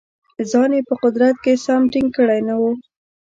ځان یې په قدرت کې سم ټینګ کړی نه وو.